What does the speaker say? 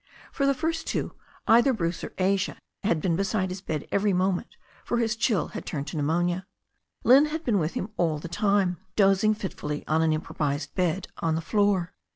For the first two either Bruce or Asia had been beside his bed every moment, for his chill had turned to pneumonia. Lynne had been with him all the time, dozing fitfully on an improvised bed otv tS\<^ 28o THE STORY OF A NEW ZEALAND RIVER floor.